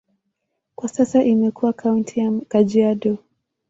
Kwa sasa imekuwa kaunti ya Kajiado.